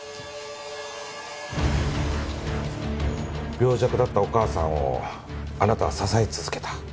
病弱だったお母さんをあなたは支え続けた。